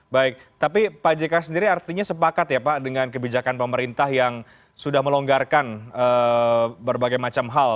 baik tapi pak jk sendiri artinya sepakat ya pak dengan kebijakan pemerintah yang sudah melonggarkan berbagai macam hal